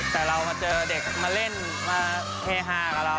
แต่เรามาเจอเด็กมาเล่นมาเฮฮากับเรา